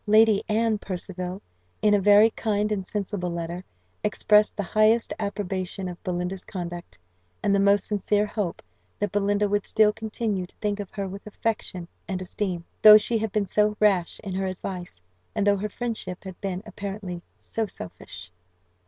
Lady Anne Percival, in a very kind and sensible letter, expressed the highest approbation of Belinda's conduct; and the most sincere hope that Belinda would still continue to think of her with affection and esteem, though she had been so rash in her advice, and though her friendship had been apparently so selfish.